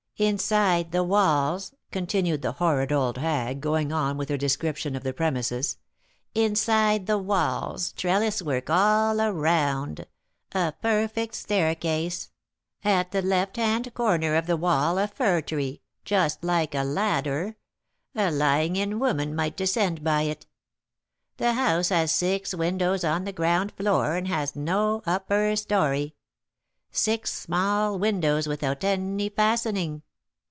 Inside the walls," continued the horrid old hag, going on with her description of the premises, "inside the walls, trellis work all around, a perfect staircase; at the left hand corner of the wall a fir tree, just like a ladder, a lying in woman might descend by it. The house has six windows on the ground floor, and has no upper story, six small windows without any fastening.